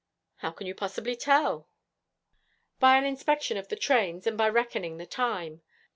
'How can you possibly tell?' 'By an inspection of the trains, and by reckoning the time.